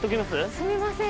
すみません。